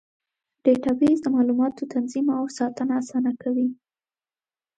ډیټابیس د معلوماتو تنظیم او ساتنه اسانه کوي.